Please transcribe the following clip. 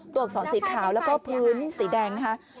อักษรสีขาวแล้วก็พื้นสีแดงนะคะ